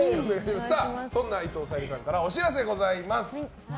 そんな伊藤沙莉さんからお知らせがございます。